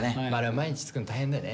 毎日作るの大変だよね。